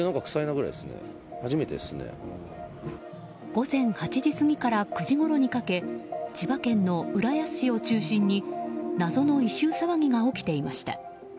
午前８時過ぎから９時ごろにかけ千葉県の浦安市を中心に謎の異臭騒ぎが起きていました。